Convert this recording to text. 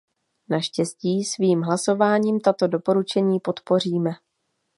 Naštěstí, svým hlasováním tato doporučení podpoříme.